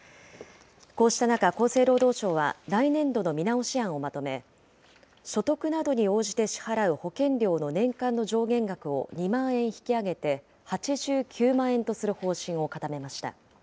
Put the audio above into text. こうした中、厚生労働省は来年度の見直し案をまとめ、所得などに応じて支払う保険料の年間の上限額を２万円引き上げて８９万円とする方針を固めました。